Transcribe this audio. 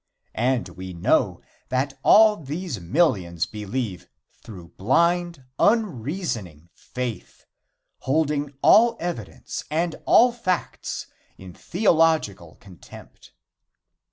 And we know that all these millions believe through blind, unreasoning faith, holding all evidence and all facts in theological contempt.